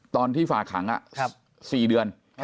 ตอนที่ฝากขัง๔เดือน